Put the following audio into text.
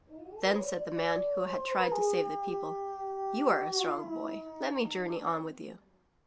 Then said the man who had tried to save the people: "You are a strong boy — let me journey on with you.''